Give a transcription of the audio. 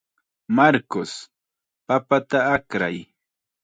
Marcos, papata akray.